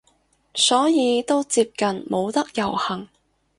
所以都接近冇得遊行